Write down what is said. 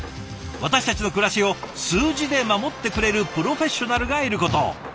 私たちの暮らしを数字で守ってくれるプロフェッショナルがいることを。